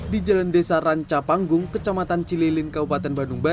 di jalan desa ranca panggung kecamatan cililin kabupaten bandung barat